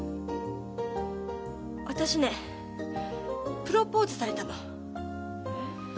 私ねプロポーズされたの。え？